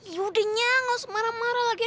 yaudahnya nggak usah marah marah lagi